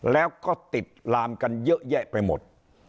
แล้วก็ติดตามกันเยอะแยะไปหมด